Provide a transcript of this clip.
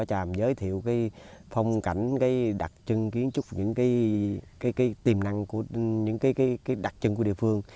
cái tranh vỏ tràm giới thiệu cái phong cảnh cái đặc trưng kiến trúc những cái tiềm năng của những cái đặc trưng của địa phương